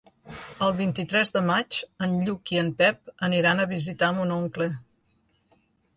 El vint-i-tres de maig en Lluc i en Pep aniran a visitar mon oncle.